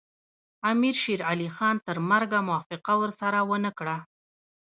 امیر شېر علي خان تر مرګه موافقه ورسره ونه کړه.